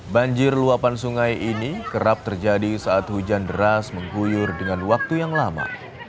banjir luapan sungai ini kerap terjadi saat hujan deras mengguyur dengan waktu yang lama